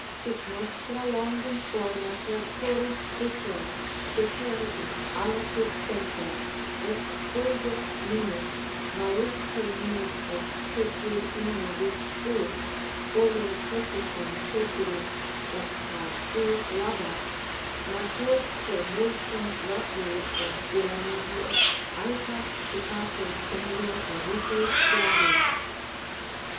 Sic nostra longum forma percurrens iter, Deperdit aliquid semper, et fulget minus, Malisque minus est quiquid in nobis fuit, Olim petitum cecidit, et partu labat, Maturque multum rapuit ex illa mihi, Aetas citato senior eripuit gradu.